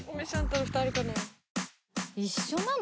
一緒なの？